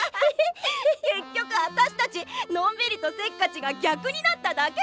結局私たちのんびりとせっかちが逆になっただけじゃん。